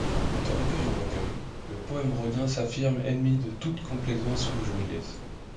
De recueil en recueil, le poème rodien s’affirme ennemi de toute complaisance ou joliesse.